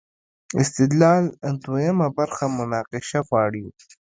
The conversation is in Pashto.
استدلال دویمه برخه مناقشه غواړي.